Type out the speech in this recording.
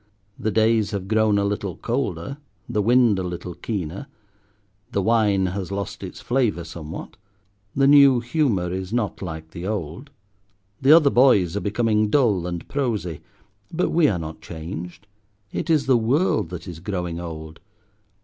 The days have grown a little colder, the wind a little keener. The wine has lost its flavour somewhat; the new humour is not like the old. The other boys are becoming dull and prosy; but we are not changed. It is the world that is growing old.